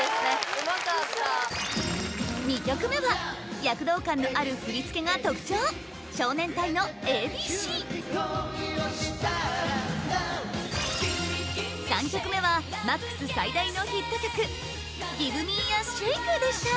うまかった２曲目は躍動感のあるフリつけが特徴少年隊の「ＡＢＣ」恋をしたらＬｏｖｅ３曲目はＭＡＸ最大のヒット曲「ＧｉｖｅｍｅａＳｈａｋｅ」でした